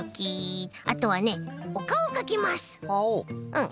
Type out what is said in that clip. うん。